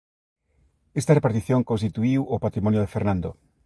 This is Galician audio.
Esta repartición constituíu o patrimonio de Fernando.